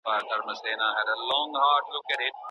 د خِطبې او مرکې پر وخت دقت وکړئ.